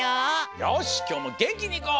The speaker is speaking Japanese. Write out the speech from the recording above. よしきょうもげんきにいこう！